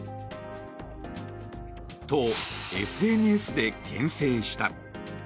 と、ＳＮＳでけん制した。